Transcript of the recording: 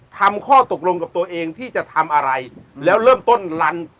ข้อตกลงกับตัวเองที่จะทำอะไรแล้วเริ่มต้นลัน